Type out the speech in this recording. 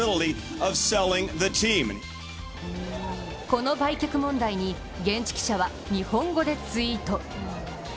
この売却問題に現地記者は日本語でツイート。